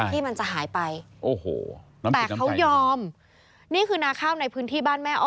ที่มันจะหายไปโอ้โหแต่เขายอมนี่คือนาข้าวในพื้นที่บ้านแม่อ้อ